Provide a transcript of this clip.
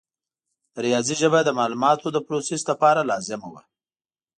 د ریاضي ژبه د معلوماتو د پروسس لپاره لازمه وه.